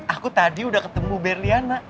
aku tadi udah ketemu berliana